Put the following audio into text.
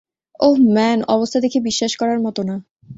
ওহ, man, অবস্থা দেখি বিশ্বাস করার মতো না।